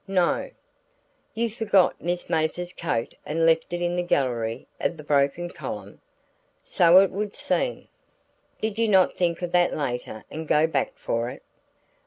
"No." "You forgot Miss Mathers's coat and left it in the gallery of the broken column?" "So it would seem." "Did you not think of that later and go back for it?"